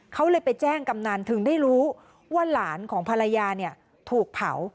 เขาเลยไปแจ้งกำนันถึงได้รู้ว่าหลานของภรรยาถูกเผา